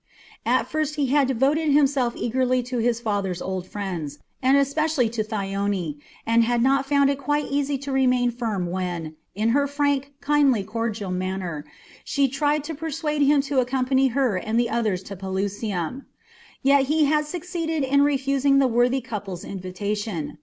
At first he had devoted himself eagerly to his father's old friends, and especially to Thyone, and had not found it quite easy to remain firm when, in her frank, kindly, cordial manner, she tried to persuade him to accompany her and the others to Pelusium. Yet he had succeeded in refusing the worthy couple's invitation.